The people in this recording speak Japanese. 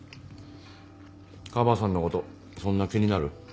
カバさんのことそんな気になる？